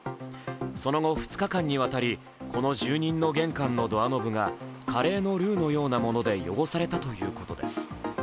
その後、２日間にわたりこの住人の玄関のドアノブがカレーのルーのようなもので汚されたということです。